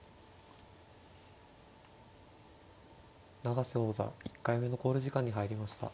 永瀬王座１回目の考慮時間に入りました。